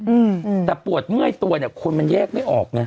อืมอืมแต่ปวดเมื่อยตัวเนี่ยควรมันแยกไม่ออกเนี่ย